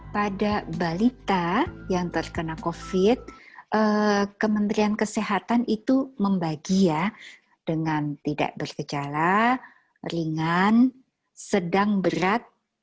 pada balita yang terkena covid sembilan belas kementerian kesehatan itu membagi dengan tidak berkecala ringan sedang berat